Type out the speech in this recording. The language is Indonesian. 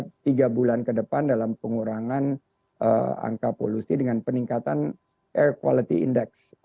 dan ini juga bisa dilihat tiga bulan ke depan dalam pengurangan angka polusi dengan peningkatan air quality index